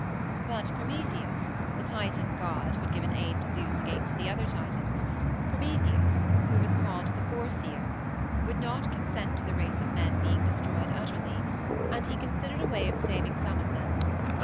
But Prometheus, the Titan god who had given aid to Zeus against the other Titans Prometheus, who was called the Foreseer could not consent to the race of men being destroyed utterly, and he considered a way of saving some of them.